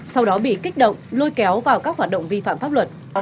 sau đó bị kích động lôi kéo vào các hoạt động vi phạm pháp luật